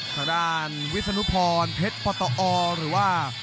ทางด้านวิศนุพรเพชรปตอหรือว่า